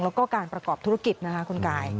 แล้วก็การประกอบธุรกิจนะคะคุณกาย